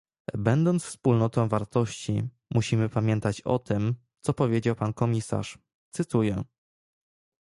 Będąc wspólnotą wartości, musimy pamiętać o tym, co powiedział pan komisarz - cytuję